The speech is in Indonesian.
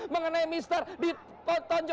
mengenai mister di potonjok